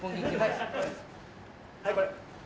はいこれ。